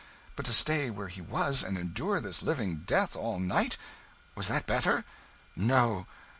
But to stay where he was, and endure this living death all night was that better? No.